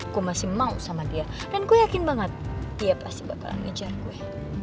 aku masih mau sama dia dan gue yakin banget dia pasti bakalan ngejar gue